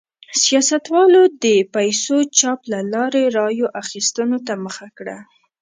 سیاستوالو د پیسو چاپ له لارې رایو اخیستو ته مخه کړه.